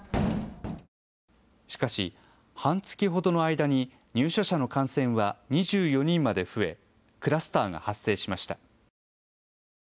しかし半月ほどの間に入所者の感染は２４人まで増えクラスターが発生しました。